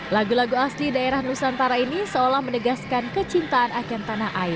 lagu lagu asli daerah nusantara ini seolah menegaskan kecintaan akan tanah air